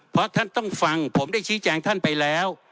เพราะท่านต้องฟังผมได้ชี้แจงท่านไปแล้ว